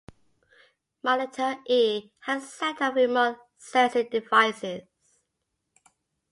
"Monitor-E" has a set of remote sensing devices.